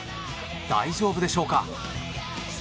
大丈夫でしょうか。